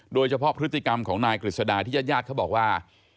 โดยเฉพาะพฤติกรรมของนายกฤษดาที่ญาติญาติเขาบอกว่า